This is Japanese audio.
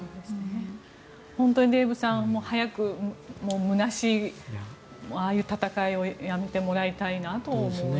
本当にデーブさん早く空しいああいう戦いをやめてもらいたいなと思います。